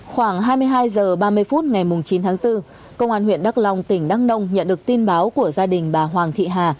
khoảng hai mươi hai h ba mươi phút ngày chín tháng bốn công an huyện đắk long tỉnh đăng nông nhận được tin báo của gia đình bà hoàng thị hà